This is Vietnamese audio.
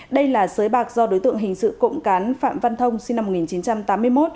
đây là sới bạc do đối tượng hình sự cộng cán phạm văn thông sinh năm một nghìn chín trăm tám mươi một